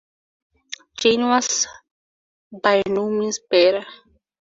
Jane was by no means better.